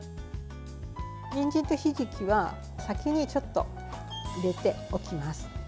にんじんとひじきは先に入れておきます。